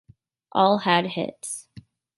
All had hits.